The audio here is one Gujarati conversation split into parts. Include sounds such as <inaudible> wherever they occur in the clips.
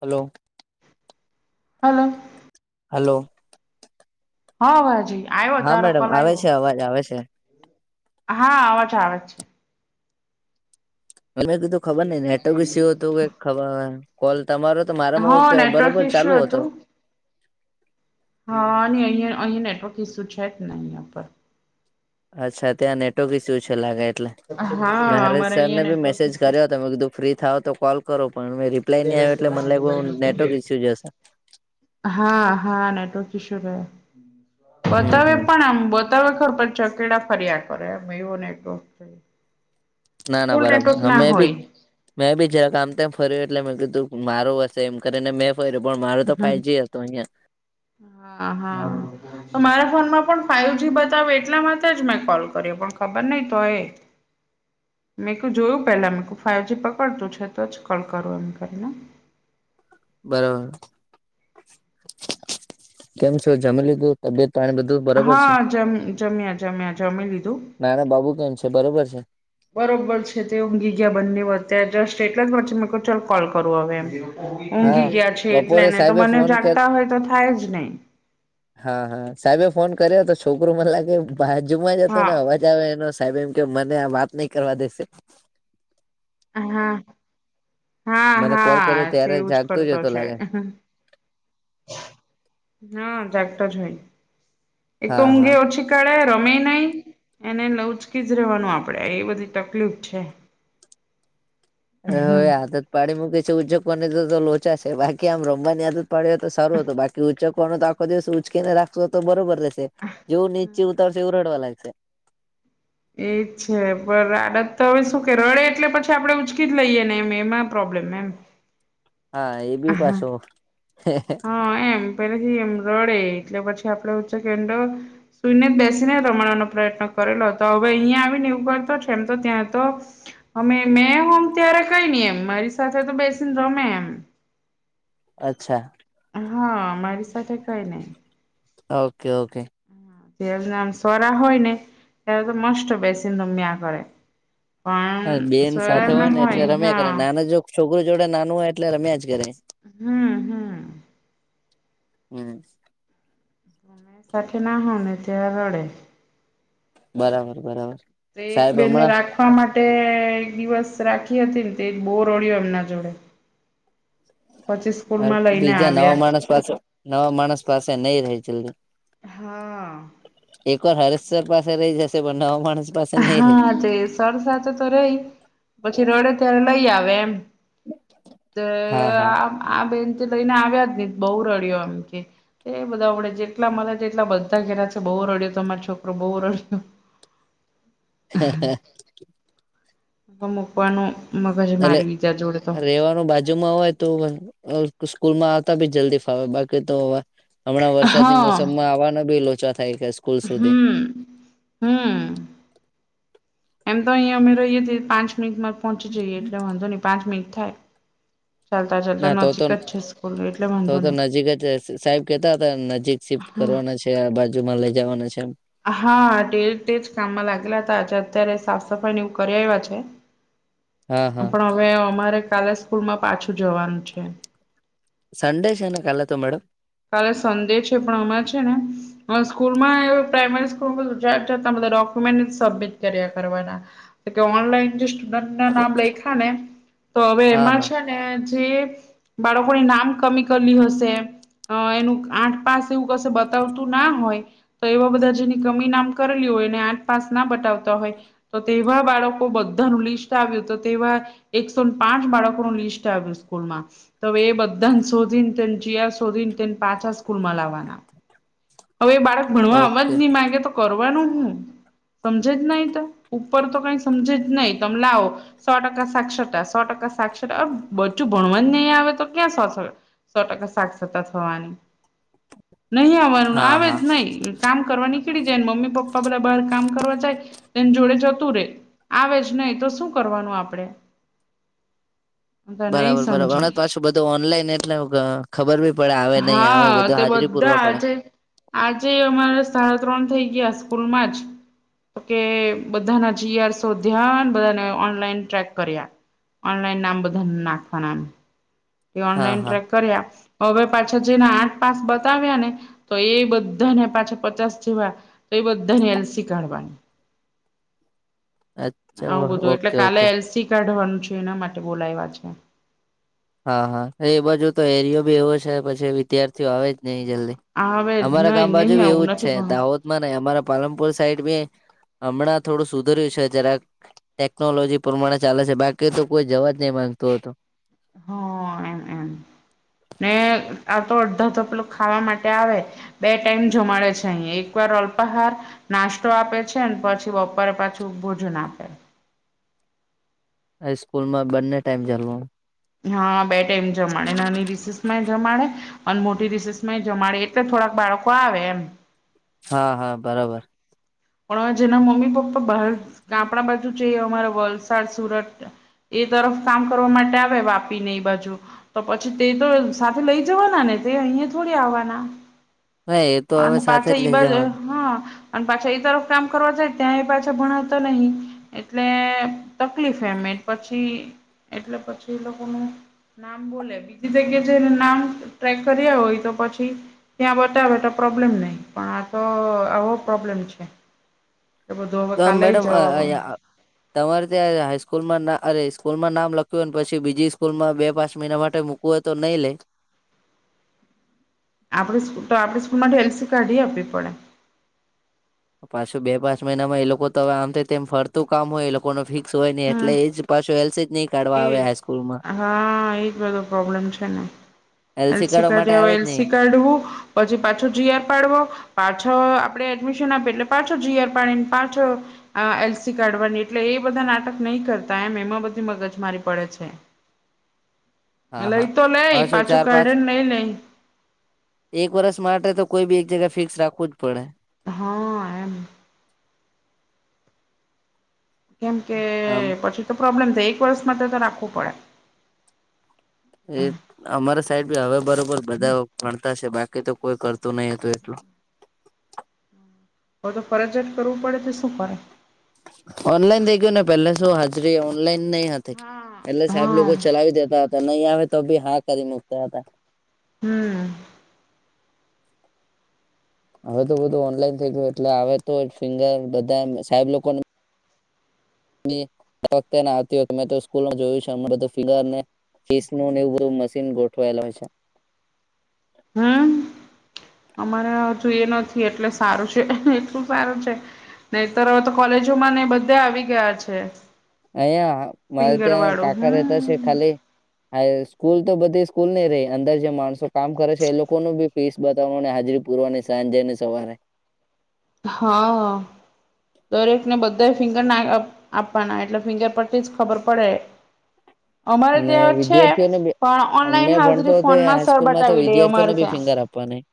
હલો. હાલો. હાલો. હા <unintelligible> આયવો હા તારો મેડમ કોલ આવે આયવો. છે અવાજ આવે છે. હા અવાજ આવે છે. <unintelligible> હતું કે ખબર કોલ તમારો તો મારામાં હા નેટવર્ક બરોબર ચાલુ ઇસ્યુ હતો. હતું હા <unintelligible> નેટવર્ક ઈસુ છેજ, ને અહંયા પર અચ્છા ત્યાં નેટવર્ક ઇસ્યુ છે લાગે એટલે મેં હા હરેશ અમારે સર ને અહીંયા બી નેટવર્ક મેસેજ ઇસ્યુ કર્યો તમે કીધું ફ્રી થાવ તો કોલ કરો પણ મે રિપ્લાય ની આવ્યો એટલે મને લાગ્યું નેટવર્ક ઈસ્યુ જશે. હા-હા નેટવર્ક ઇસ્યુ <unintelligible> હમ બતાવે હમ પણ આમ <unintelligible> ફર્યા કરે એવ ને એક દો ના ના <unintelligible> બરાબર નેટવર્ક હા ના મેં બી હોય. મેં બી જરાક આમ તેમ ફર્યું એટલે મેં કીધું મારું હશે એમ કરીને મેં પણ મારો તો ફાઈજી હતો અહીંયા. હા-હા. તો મારા ફોનમાં પણ ફાઈજી બતાવે એટલા માટે જ મેં કોલ કર્યો પણ ખબર નહી, તો એ હ <inaudible> <unintelligible> મેં ક જોયું પેલા મેંક ફાઈઇવ જ પકડતું છે, તો જ કોલ કરું એમ કરીને બરોબર કેમ છ, જમી લીધું તબિયત પાણી બધુ હા જમ જમ્યા જમ્યા જમી લીધુ નાના બાબુ કેમ છે, બરોબર છે. બરોબર છે, તે ઊંઘી ગયા બંને વત્યારે જસ્ટ એટલા જ વચ્ચે ક ચાલ કોલ કરું હવે એમ ઊંઘી હા ગયા છે બપોરે એટલેને તો સાહેબે મને ફોન કર જાગતા હોય તો થાય જ નહી હા હા સાહેબે ફોન કર્યો તો છોકરું મને લાગે બાજુમાં જ હતુ, હા ને અવાજ મજા આવે એનો સાહેબ એમ કે મને આ વાત નઈ કરવા દેશે હા હા મને કોલ કર્યો હા ત્યારે તેવુંજ જાગતો જ કરતો હતો છે. લાગે હા જાગ ટ જ હોય એક હા તોમઘ હા ઓછ ે રમે નહી એને લવ ઉચકી જ રહેવાનું આપડે એ બધી તકલીફ છે. <inaudible> <unintelligible> હવે હમ એ આદત પાડી મૂકી છે. ઉદ્યોગકોની તો તો લોચા છે બાકી આમ રમવાની આદત પડ્યો તો સારું હતું બાકી ઉંચકોનું તો આખો દિવસ ઉચકીને રાખશો તો બરોબર રહેશે જેવું નીચે ત વરડવા લાગ છે. એ છે પણ આડત તો હવે શું કે રડે એટલે પછી આપડે ઉચકી જ લઈએ ને એમ એમાં પ્રોબ્લેમ એમ હા, એ બી પાછુ હા, એમ પેલાથી એમ રડે એટલે પછી આપડ ઉચો કેંડો સુઈને જ બેસીને રમાડવાનો પ્રયત્ન કરેલો હતો હવે અહીંયા, આવીને એવું તો છેમ તો ત્યાં તો અમે મેં હમ ત્યારે કઈ નઈ એમ મારી સાથે, તો બેસીને રમે એમ અચ્છા હા, મારી સાથે કઈ નહી. ઓકે-ઓકે સરા હોય ને ત્યારે તો મસ્ બેસીીંધુ મિયા કરે હા, પણ બેન સોરા સાથે હોય, ના ને એટલે રમ્યા કરે હા નાનું જો છોકરી જોડે નાનું હોય એટલે રમ્યા જ કરે હમ-હમ હમ્મ સાથે ના હો, ત રડે બરાબર બરાબર તો એક સાહેબ બેનને હમણાં રાખ વા માટે એક દિવસ રાખી હતી ને તે બો રોડયો એમના જોડે પછી સ્કૂલમાં લઈને બીજા નવા આવ્યા માણસ પાસે નવા માણસ પાસે નઈ ર જલ્દી હા એકવાર હરેશ્વર પાસે રહી, જશે પણ નવા માણસ પાસે નહી રહે. હા, તે સર સાથે તો રહી પછી રોડે ત્યારે લઈ આવે એમ તે હા હા. આ આ બેનથી લઈને આવ્યા, જ હ બહ રડિયો આમ કે એ બધા આવડે જેટલા મને એટલા બધા ઘેરા છે, બહુ રડ્યો તમા છોકરો બહુ રડ્યો હ, હ મૂકવાનું મગ છે મારી બીજા જોડે તો લેવાનું બાજુ માં હોય તો સ્કૂલમાં આવતા બી જલ્દી ફાવે બાકી તો હમણાં વરસાદની હા મોસમમાં આવાનો બી લોચા થાય ગયા છે. હમ હમ એમ તો અહીંયા અમે રહીએીએ પાંચ મિનિટમાં પહોંચી જઈએ એટલે વાંધો નહી પાંચ મિનિટ થાય ચાલતા ચાલતા ના તો તો નજીક જ છે સ્કૂલ એટલે તો વાંધો તો નજીક જ સાહેબ કેતા હતા નજીક શિફ્ટ નહી કરવાના છે આ બાજુમાં લઈ જવાના છે એમ હા ડે તેજ કામમાં લાગેલા હતા આજે અત્યારે સાફ સફાઈ ને એવું કરી આવ્યા છે. <inaudible> હા. પણ હવે અમારે કાલે સ્કૂલ માં પાછું જવાનું છે. સન્ેશન કાલે તો મેડમ કાલે સંડે છે પણ અમાં છે ને સ્કૂલ માં પ્રાઈમરી સ્કૂલમાંધ ડોક્યુમેન્ટ સબમિટ કર્યા કરવાના- તો કે ઓનલાઈન જે સ્ટુડન્ટ ના નામ લયખા ને તો હવે હા એમાં હા. છે. જે બાળકોને નામ કમી કરલી હશે એનું આઠ પાસે એવું કશે બતાવતું ના હોય તો એવા બધા જેની કમી નામ કરેલી હોય એને આઠ પાસ ના બતાવતા હોય- તો તેવા બાળકો બધાનું લિસ્ટ આવ્યું તો તેવા એકસો પાંચ બાળકો ન લિસ્ટ આવ્યું સ્કૂલમાં તવે એ બધાને શોધીને ત જ આ શોધીને પાછા સ્કૂલ માં લાવવાના હવે બાળક ભણવા અવા ઓકે જ નહીં માંગે તો કરવાનું હું સમજે જ નહીિ તો ઉપર તો કઈ સમજે જ નહીિ તમે લાવો સો ટકા સાક્ષરતા સો ટકા સાક્ષરતા બચું ભણવા જ નહીં આવે તો ક્યાં સો થ સો ટકા સાક્ષતા થવાની નહી આવવાનું હા આવે હા. જ નહી. કામ કરવા નીકળી જાય ને મમ્મી પપ્પા બધા બહાર કામ કરવા જાય એને જોડે જતું રે આવે જ નહી તો શું કરવાનું આપડે- તો નહી બરાબર બરાબર સમજે હણા પાછું બધું ઓનલાઈન એટલે ખબર બી પડે આવે નહી આવે હા બધું તે હાજરી બધા પૂરવા પડે. આજે આજે અમારે સાડા ત્રણ થઈ ગયા સ્કૂલમાં જ તો કે બધાના જીઆરસો ધ્યાન બધાને ઓનલાઈન ટ્રેક કર્યા ઓનલાઈન નામ બધા નાખવા ના હા ઓનલાઈન હા. ટ્રેક કરી આપ હવે પાછા જેને આઠ પાસ બતાવ્યા ને તો એ બધા ને પાછા પચાસ જેવા તો એ બધાને એલસી કાઢવાની. <inaudible> અચ્છા આવું બધું એટલે ઓકે કાલે ઓકે એલસી કાઢવાનું છે એના માટે બોલાયવા છે. હા હા એ બાજુ તો એરિયો બી એવો છે પછી વિદ્યાર્થીઓ આવે જ નઈ જલ્દી આ હવે અમારા નહી કામ બાજુ નહી બી આવું એવું જ છે નથી પણ દાહોદ. નહી અમારા પાલનપુર સાઈડ બી હમણાં થોડું સુધર્યું છે જરાક ટેકનોલોજી પ્રમાણે ચાલે છે બાકી તો કોઈ જવા જ નહી માંગતો હતો હ એમ એમ ને આ તો અડધો ધપલો ખાવા માટે આવે બે ટાઈમ જમાડે છે અહીં એકવાર અલ્પહાર નાસ્તો આપે છે ને પછી બપોરે પાછું ભોજન આપે સ્કૂલ માં બંને ટાઈમ જાલવા હા બે ટાઈમ જમાણે નાની રિસીસ માં જમાણે પણ મોટી રિસેસમાંય જમારે એ તો થોડાક બાળકો આવે એમ હા હા બરોબર પણ જેના મમ્મી પપ્પા બહાર કાપણા બાજુ છે અમારા વલસાડ સુરત એ તરફ કામ કરવા માટે આવે વાપીને એ બાજુ તો પછી તે તો સાથે લઈ જવાના ને તે અહીયા થોડી આવવાના? હા એ તો અને હવે સાથે જ પાછા લઇ ઈ બજ જવાનું. હા અને પાછા ઇ તરફ કામ કરવા જાય ત્યાં એ પાછા ભણાવતા નહીં એટલે તકલીફ એમ એટ પછી એટલે પછી એ લોકોનું નામ બોલે બીજી જગ્યા છેને નામ ટ્રેક કર્યા હોય તો પછી ત્યાં બતાવે તો પ્રોબ્લેમ નહીં પણ આ તો આવો પ્રોબ્લેમ છે. એ બધું હવે ત્યાં કાલે મેડમ જવા આયા પડે અ તમારે ત્યાં હાઈસ્કૂલમાં ના અરે સ્કૂલમાં નામ લખ્યું હોય ન પછી બીજી સ્કૂલમાં બે પાંચ મહિના માટે મૂ ક્વુ હોય તો નઈ લે? આપડી સ્કૂ તો આપડી સ્કૂલ માથી એલસી કાઢી આપવી પડે. પાછો બે પાંચ મહિનામાં એ લોકો તો હવે આમ થી તેમ ફરતું કામ હોય એ લોકો નો ફિક સોયને એટલે હમ એ જ પાછો એલ્સીજ નહી કાઢવા આવે એજ હાઈસ્કૂલમાં હા એજ બધો પ્રોબ્લેમ છે ને. એલસી કાઢવા માટે કાઢયા ઓ આવે જ નહી એલસી કાઢવું, પછી પાછો જીઆર પાડવો. પાછો આપડે એડમિશન આપીયે એટલે પાછળ જીઆર પાડીને પાછો અ એલસી કાઢવાની એટલે એ બધા નાટક નહીં કરતા, એમ એમાં બધી મગજ મારી પડે છે, હા લઈ હા તો લે પાછું પાછો ચાર પાંચ કાઢે નઈ લઈ. એક વર્ષ માટે તો કોઈ બી એક જગા ફિક્સ રાખવું જ પડે. હા એમ. કેમ કે આમ પછી તો પ્રોબ્લેમ થાય એક વર્ષ માટે તો રાખવું પડે. એ અમારા સાઈડ બી હવે બરોબર બધા ભણતા છે બાકી તો કોઈ કરતું નહી હતું એટલું. હો તો ફરજિયાત કરવું પડે તો શું કરે. ઓનલાઈન થઈ ગયું ને, પેલે શું હાજરી ઓનલાઈન નઈ હતી, હા એટલેજ સાહેબ હા લોકો ચલાવી દેતા હતા, નહીં આવે તો બી હા કરી મુકતા હતા. હમ્મ હવે તો બધું ઓનલાઈન થઈ ગયું એટલે હવેતો ફિંગર બધા સાહેબ લોકોને ને ફક્તને આવતી હોય કે મેં તો સ્કૂલ જોયું છે બધું ફિગર ને કીસ નું ને એવું બધુ મશીન ગોઠવાયેલા હોય છે. હમ્મ અમારે હજુ તો એ નથી એટલે સારું છે, એટલું સારું છે. નહી તર હવેતો કોલેજો માંને બધે આવી ગયા છે. અહંયા મારે ફિંગર ત્યાં વાળું કાકા રહેતા છે હમ. ખાલી હાય સ્કૂલ તો બધી સ્કૂલ નહી રહી, અંદર જે માણસો કામ કરે છે એ લોકો નુ બી ફીસ બતાવવા ને હાજરી પુરવાની સાંજેને સવારે હા. દરેકને બધા ફિંગર ના અપ આપવાના એટલે ફિંગર પરથી જ ખબર પડે. અમારે <inaudible> ને ત્યાં છે વિદ્યાર્થીઓને બી પણ અ ઓનલાઈન મેં ભણતો હાજરી હતો એ ફોનમાં સર હાઈસ્કૂલ માં તો બતાવી વિદ્યાર્થીઓને બી ફિંગર આપવાની <inaudible>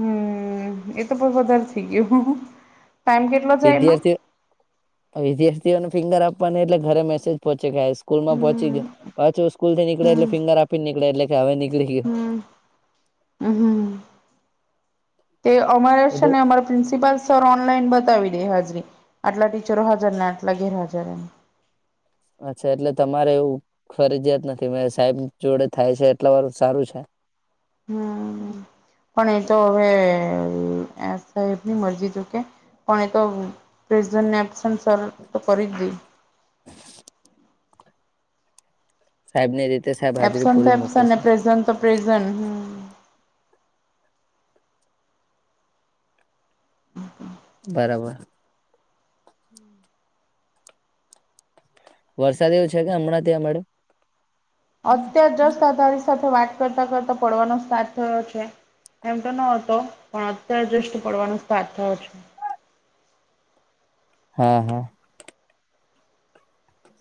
હમ્મ એતો પણ વધારે થઈ ગયું, ટાઈમ કે વિદ્યાર્થીઓ વિદ્યાર્થીઓને ફિંગર આપવાની એટલે ઘરે મેસેજ પહોચે કે આ સ્કૂલમાં પહોચી હમ ગયો, પાછું સ્કૂલથી નીકળે એટલે હમ ફિંગર આપીને નીકળે એટલે કે હવે નીકળી ગયો. હમ્મ હમ્મ હમ્મ તે અમારા બધું શેને અમારા પ્રિન્સિપલ સર ઓનલાઈન બતાવી દે હાજરી, આટલા ટીચરો હાજર ને આટલા ગેરહાજર એમ અચ્છા એટલે તમારે એવું. ફરજયાત નથી મે સાહેબ જોડે થાય છે એટલા વાર સારું છે. હમ્મ હમ પણ એ તો હવે સાહેબની મરજી તો કે પણ એ તો પ્રેસેન ને એબ્સેન્ટ સર તો કરીજ દે. સાહેબ ની રીતે સા એબસેન્ટ તો એસેન્ટ પ્રેઝન્ટ તો પ્રેઝન્ટ હમમ બરાબર હમ વરસાદ એવું છે કે હમણાં ત્યાં મળડ્યું અત્યાર જસ્ધારી સાથે વાત કરતા કરતા પડવાનો સ્ટાર્ટ થયો છે. એમ તો ન હતો પણ અત્યારે જષ પડવાનો સ્ટાર્ટ થયો છે. હા હા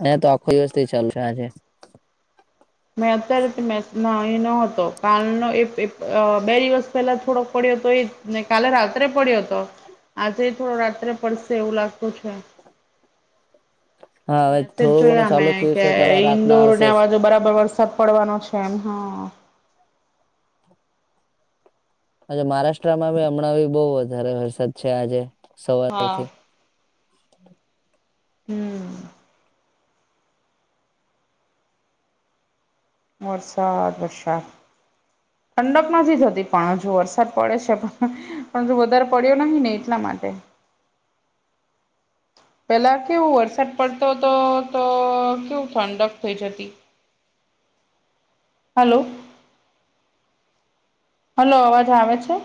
હ તો આખો દિવસથી ચાલુ છે આજે મે અત્યારે મે ન હતો કાલનો બે દિવસ પહેલા થોડોક પડ્યો હતો એ ને કાલે રાત્રે પડ્યો હતો આજે થોડો રાત્રે પડશે એવું લાગતું છે. હા હવે મેસેજ થોડું ઘણું જોયા અ ચાલુ મેમે થયું કે છે તો હવે રાતના ઇન્દોર આવશે ને જ અવાજો બરાબર વરસાપ. પડવાનો છે એમ હા. મહારાષ્ટ્રમાં ભ હમણાં બહ વધારે વરસાદ છે આજે હા સવારથી. હમ. વરસાત વરસાત. ઠંડક નથી થતી પણ હ જો વરસાદ પડે છે પણ. પણ વધારે પડ્યો ન ને એટલા માટે. પેલા કેવો વરસાદ પડતો હતો તો કેવું ઠંડક થઈ જતી. હલો. હલો અવાજ આવે છે.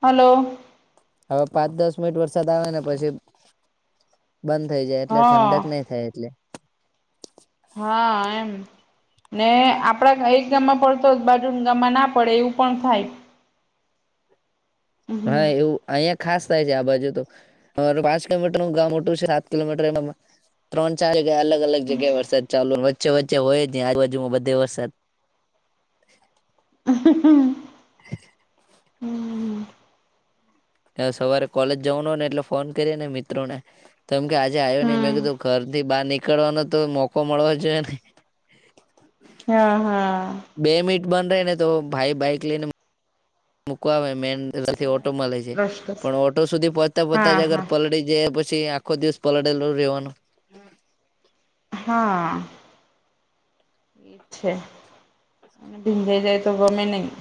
હલો. હવે પાંચ દસ મિનિટ વરસાદ આવે ને પછી. બંધ થઈ જાય એટલે હા ઠંડક નહી થાય એટલે. હા એમ. ને આપડા એક ગામમાં પડતો બાજુ ગામમાં ના પડે એવું પણ થાય. તો હા હમ એવું અ. ખાસ થાય છે આ બાજુ તો અમારું પાંચ કિલોમીટરનું ગામ મોટું છે સાત કિલોમીટર એમાં. ત્રણ ચાર જગ્યા અગ અલગ જગ્યાએ વરસાદ ચાલુ વચ્ચ વચે હોય ને આજુાજુમાં બધ વરસાદ. હ. સવારે કોલેજ જવાનું હો ને એટલે ફોન કરીએ ને મિત્રો ને. કેમ કે આજે આવ્યો નહી મેં કીધું હમ ઘર થી બહાર નીકળવાનો તો મોકો મળવો જોઈએ ને. <inaudible> હા હા. બે મિનિટ બન ર ને તો ભાઈ બાઈક લઈને. મૂકવા આવે મેનથી ઓટો મળે છે રસકસ પણ ઓટો સુધી પહોચતા હા પોહતા જ અગર હા પલળી જાય પછી. છે આખો દિવસ પલળેલો રહેવાનો. હા. છે અને ભીંધે જાય તો ગમે નહી.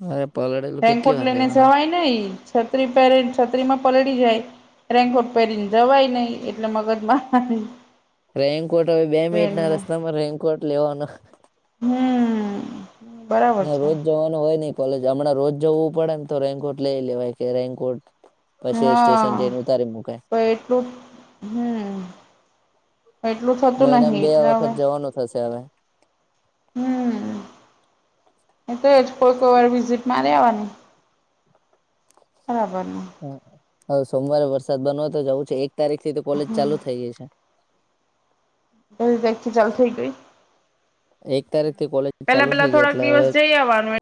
હ પલડ. રેન્કોટ લઈને જવાય નઈ છત્રી પહેરે છત્રી માં પલળી જાય. રેનકોટ પહેરીને જવાય નહીિ એટલે મગજમાં. રેનકોટ હવે બે મિનિટ ના ટ્રેનમાં રસ્તામાં રેનકોટ લેવાનું. હમ. બરાબર છે રોજ જવાનું હોય નહિ કોલેજ હમણાં રોજ જવું પડે ને તો રેન્કોટ લઈ લેવાય કે રેન્કોટ. પછી સ્ટેશન હા જઈને ઉતારી મુકાય. પણ એટલું હમ એટલું થતું મહિનામાં નહિ બે એટલે હવે વખત જવાનું થશે હવે. હમ એ તોજ કોઈ કોઈ વાર વિઝિટ મારે આવવાની. ખરાબર. હ હવે સોમવારે વરસાદ બનવા તો જવું છે એક તારીખ થી તો કોલેજ ચાલુ થઇ ગઈ છે. એ દખથી ચાલુ થઈ ગઈ. એક તારીખ થી કોલેજ પેલા ચાલુ પેલા થઈ ગઈ થોડાક એટલે હવે દિવસ જઈ આવવાનું.